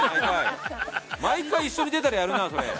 毎回一緒に出たらやるな、それ。